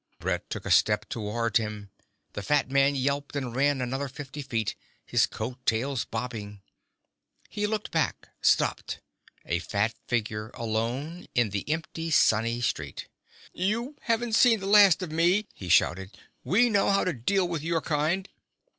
Brett took a step toward him. The fat man yelped and ran another fifty feet, his coat tails bobbing. He looked back, stopped, a fat figure alone in the empty sunny street. "You haven't seen the last of me!" he shouted. "We know how to deal with your kind."